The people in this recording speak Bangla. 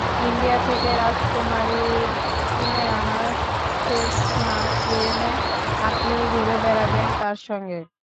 ইন্ডিয়া থেকে রাজকুমারীর কিনে আনা সেসনা প্লেনে আপনিও ঘুরে বেড়াবেন তাঁর সঙ্গে।